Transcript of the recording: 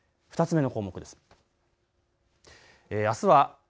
２つ目の項目です。